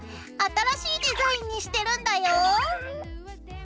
新しいデザインにしてるんだよ。